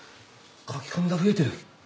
書き込みが増えてる。